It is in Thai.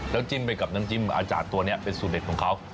แล้วจิ้มไปกับน้ำจิ้มอาจารย์ตัวนี้เป็นสูตรเด็ดของเขา